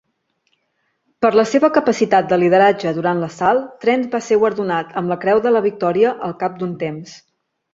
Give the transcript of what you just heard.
Per la seva capacitat de lideratge durant l'assalt, Trent va ser guardonat amb la Creu de la Victòria al cap d'un temps.